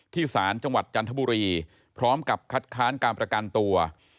ศาลจังหวัดจันทบุรีพร้อมกับคัดค้านการประกันตัว